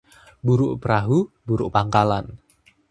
Buruk perahu, buruk pangkalan